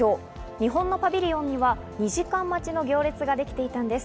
日本のパビリオンには２時間待ちの行列ができていたんです。